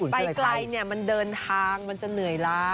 ไปไกลเนี่ยมันเดินทางมันจะเหนื่อยล้า